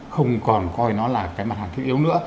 không còn coi nó là cái mặt hàng thiết yếu nữa